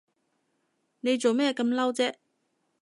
你做咩咁嬲啫？